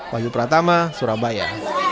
wahyu pratama surabaya